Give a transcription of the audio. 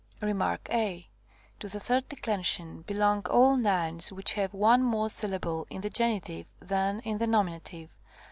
Rem. a. To the third declension belong all nouns which have one more syllable in the genitive than in the nominative.